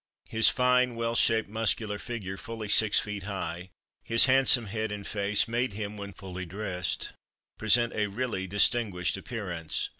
His fine, well shaped, muscular figure fully six feet high, his handsome head and face made him, when well dressed, present a really distinguished appearance.